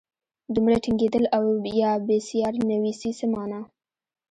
دومره ټینګېدل او یا بېسیار نویسي څه مانا.